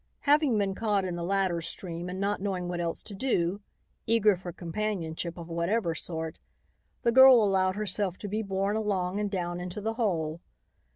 Having been caught in the latter stream, and not knowing what else to do, eager for companionship of whatever sort, the girl allowed herself to be borne along and down into the hole.